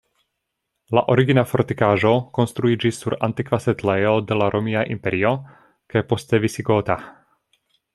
La origina fortikaĵo konstruiĝis sur antikva setlejo de la romia imperio kaj poste visigota.